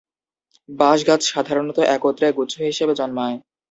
বাঁশ গাছ সাধারণত একত্রে গুচ্ছ হিসেবে জন্মায়।